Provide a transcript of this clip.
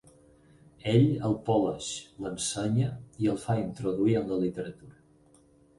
Ell el poleix, l'ensenya i el fa introduir en la literatura.